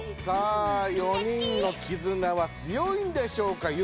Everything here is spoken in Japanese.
さあ４人のキズナは強いんでしょうか？